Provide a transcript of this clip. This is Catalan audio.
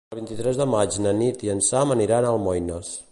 El vint-i-tres de maig na Nit i en Sam aniran a Almoines.